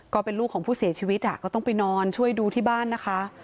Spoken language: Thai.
ก็เป็นลูกของผู้เสียชีวิตก็ต้องไปนอนช่วยดูที่บ้านนะคะ